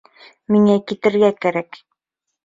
Миңә китергә кәрәк